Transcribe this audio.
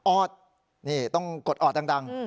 อดนี่ต้องกดออดดัง